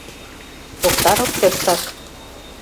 — Токтаров тыштак.